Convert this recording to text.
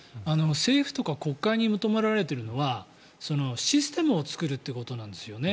政府とか国会に求められているのはシステムを作るということなんですよね。